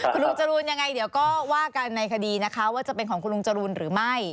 คุณลุงจรูนยังไงเดี๋ยวก็ว่ากันในคดีนะคะว่าจะเป็นของคุณลุงจรูนหรือไม่